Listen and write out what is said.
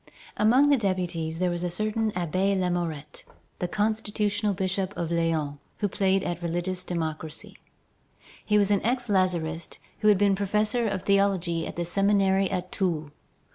Among the deputies there was a certain Abbé Lamourette, the constitutional bishop of Lyons, who played at religious democracy. He was an ex Lazarist who had been professor of theology at the Seminary at Toul.